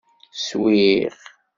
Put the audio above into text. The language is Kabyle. Swiɣ.